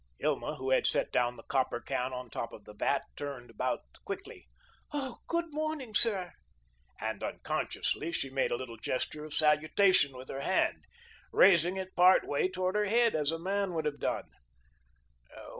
Hilma, who had set down the copper can on top of the vat, turned about quickly. "Oh, GOOD morning, sir;" and, unconsciously, she made a little gesture of salutation with her hand, raising it part way toward her head, as a man would have done.